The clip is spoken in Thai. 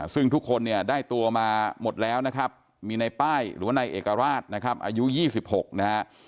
ซึ่งทุกคนเนี่ยได้ตัวมาหมดแล้วนะครับมีในป้ายหรือว่านายเอกราชนะครับอายุ๒๖นะฮะ